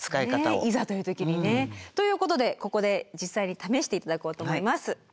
いざという時にね。ということでここで実際に試して頂こうと思います。